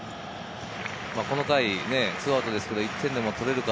この回２アウトですけど、１点でも取れるのか。